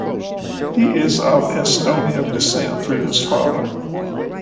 He is of Estonian descent through his father.